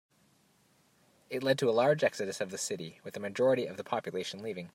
It led to a large exodus of the city, with a majority of the population leaving.